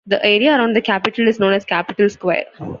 The area around the Capitol is known as Capitol Square.